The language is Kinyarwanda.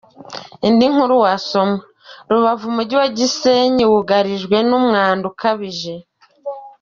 Indi nkuru wasoma : Rubavu: Umujyi wa Gisenyi wugarijwe n’umwanda ukabije.